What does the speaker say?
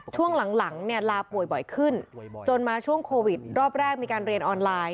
ช่วงหลังเนี่ยลาป่วยบ่อยขึ้นจนมาช่วงโควิดรอบแรกมีการเรียนออนไลน์